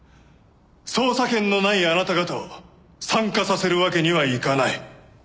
捜査権のないあなた方を参加させるわけにはいかない。